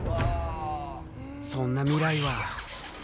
そんな未来は。